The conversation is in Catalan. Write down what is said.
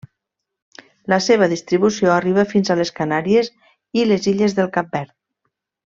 La seva distribució arriba fins a les Canàries i les illes de Cap Verd.